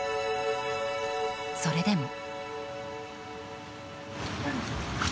それでも。